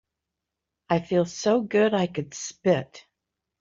I feel so good I could spit.